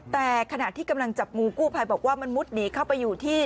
แต่ขณะที่กำลังจับงูกู้ภัยบอกว่ามันมุดหนีเข้าไปอยู่ที่